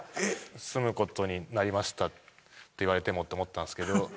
「住む事になりました」って言われてもって思ったんですけど